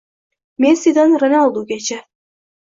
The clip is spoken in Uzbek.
Messidan Ronaldugacha